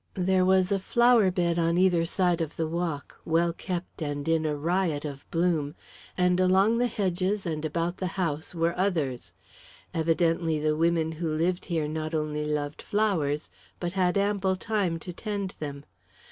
There was a flower bed on either side the walk, well kept and in a riot of bloom, and along the hedges and about the house were others. Evidently the women who lived here not only loved flowers, but had ample time to tend them.